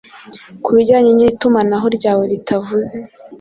kubijyanye nitumanaho ryawe ritavuze